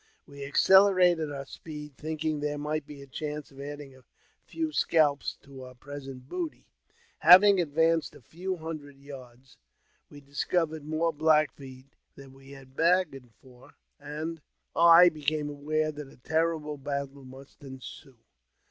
We accelerated our speed, thinking there might be a chance of adding a few scalps to oui' present booty. Having advanced a few hundred yards, we discovered more Black Feet than we had bargained for, and I became aware that a terrible battle must ensue.